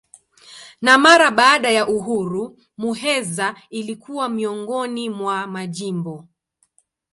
Na mara baada ya uhuru Muheza ilikuwa miongoni mwa majimbo.